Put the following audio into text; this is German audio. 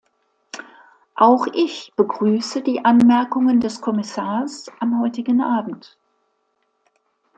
Auch ich begrüße die Anmerkungen des Kommissars am heutigen Abend.